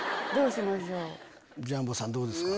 ジャンボさんどうですか？